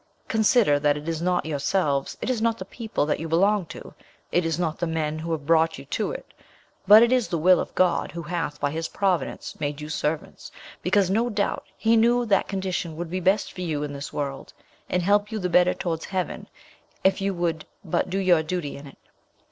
Consider that it is not yourselves, it is not the people that you belong to, it is not the men who have brought you to it, but it is the will of God who hath by his providence made you servants, because, no doubt, he knew that condition would be best for you in this world, and help you the better towards heaven, if you would but do your duty in it.